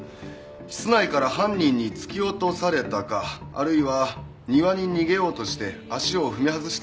室内から犯人に突き落とされたかあるいは庭に逃げようとして足を踏み外した可能性があります。